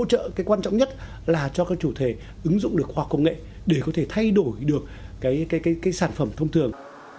đúng nhất là cho các chủ thể ứng dụng được khoa học công nghệ để có thể thay đổi được cái sản phẩm thông thường